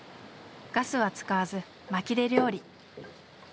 ガスは使わず薪で料理。